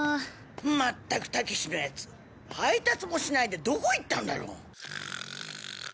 まったくたけしのヤツ配達もしないでどこ行ったんだろ？